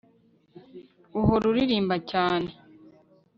uhora uririmba cyane